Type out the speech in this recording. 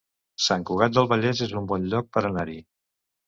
Sant Cugat del Vallès es un bon lloc per anar-hi